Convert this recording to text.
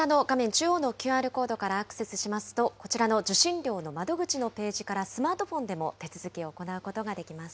中央のＱＲコードからアクセスしますと、こちらの受信料の窓口のページから、スマートフォンでも手続きを行うことができます。